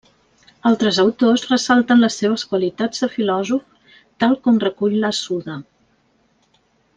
Altres autors ressalten les seves qualitats de filòsof, tal com recull la Suda.